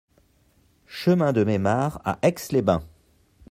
Chemin de Memard à Aix-les-Bains